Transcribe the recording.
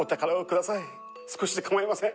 少しでかまいません。